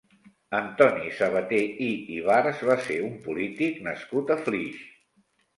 Antoni Sabaté i Ibarz va ser un polític nascut a Flix.